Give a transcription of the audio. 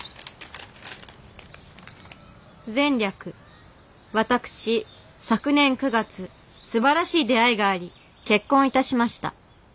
「前略私昨年９月すばらしい出会いがあり結婚致しました」。